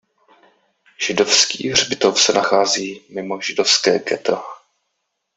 Židovský hřbitov se nachází mimo židovské ghetto.